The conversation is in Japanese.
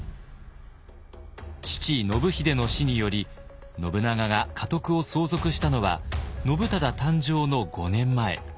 父信秀の死により信長が家督を相続したのは信忠誕生の５年前。